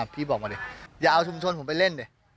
พี่บอกมาดิอย่าเอาชุมชนผมไปเล่นดิ